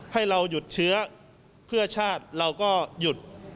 ให้เราหยุดเชื้อเพื่อชาติเราก็หยุด